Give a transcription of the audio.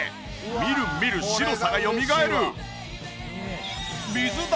みるみる白さがよみがえる。